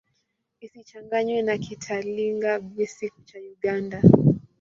Isichanganywe na Kitalinga-Bwisi cha Uganda.